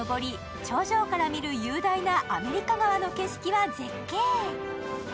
岩山を登り、長城から見る雄大なアメリカ河の景色は絶景。